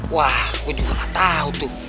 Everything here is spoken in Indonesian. wah gue juga gak tahu tuh